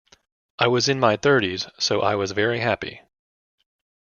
I was in my thirties, so I was very happy.